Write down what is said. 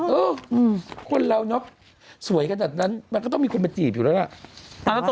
เออคนเราเนอะสวยขนาดนั้นมันก็ต้องมีคนมาจีบอยู่แล้วล่ะ